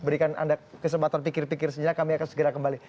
jika ada kesempatan pikir pikir sendiri kami akan segera kembali